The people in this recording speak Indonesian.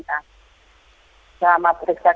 apakah masih ada kendala kendala